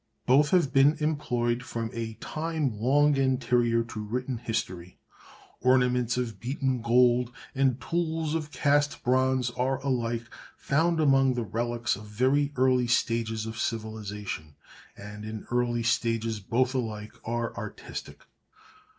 Both have been employed from a time long anterior to written history; ornaments of beaten gold, and tools of cast bronze, are alike found among the relics of very early stages of civilisation, and in early stages both alike are artistic.